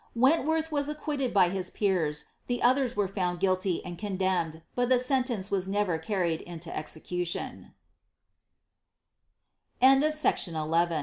Wentworth was acquitted by his peers, the others were found guilty and condemned, but the sentence was never carried iato ex